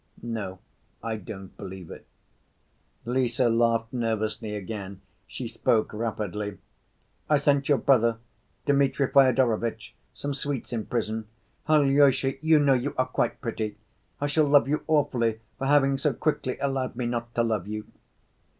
"No, I don't believe it." Lise laughed nervously again; she spoke rapidly. "I sent your brother, Dmitri Fyodorovitch, some sweets in prison. Alyosha, you know, you are quite pretty! I shall love you awfully for having so quickly allowed me not to love you."